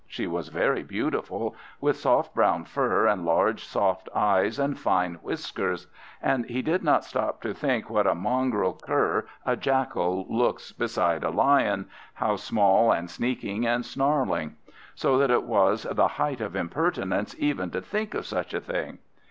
She was very beautiful, with soft brown fur, and large soft eyes, and fine whiskers; and he did not stop to think what a mongrel cur a Jackal looks beside a Lion, how small, and sneaking, and snarling; so that it was the height of impertinence even to think of such a thing.